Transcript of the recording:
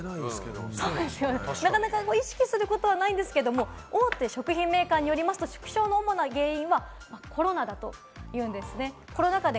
なかなか意識することはないですけど、大手食品メーカーによりますと、縮小の主な原因はコロナだというんです。